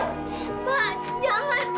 pak jangan pak